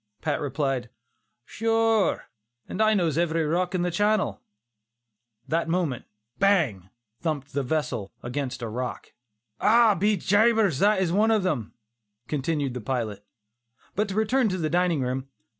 Pat replied, "Sure and I knows every rock in the channel." That moment "bang" thumped the vessel against a rock. "Ah! be jabers, and that is one of 'em," continued the pilot. But to return to the dining room.